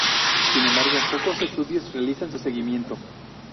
Sin embargo, pocos estudios realizan su seguimiento.